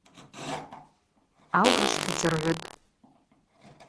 Аурышв ддзыргӏвытӏ.